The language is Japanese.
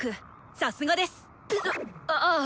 さすがです！んあぁ。